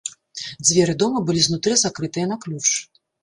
Дзверы дома былі знутры закрытыя на ключ.